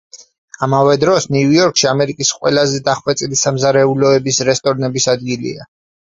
ამავე დროს, ნიუ-იორკი ამერიკის ყველაზე დახვეწილი სამზარეულოების რესტორნების ადგილია.